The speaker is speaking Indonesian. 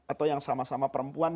atau yang sama sama perempuan